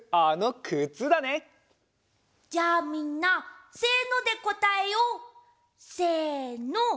じゃあみんなせのでこたえよう！せの！